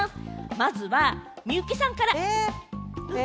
まずは、みゆきさんから。